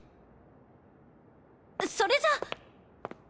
それじゃあ。